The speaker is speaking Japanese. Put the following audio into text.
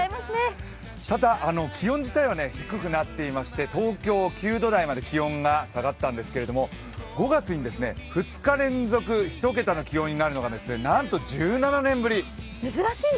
ただ、気温自体は低くなっていまして、東京、９度台まで気温が下がったんですが、５月に２日連続１桁の気温になるのがなんと１７年ぶり。